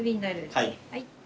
はい。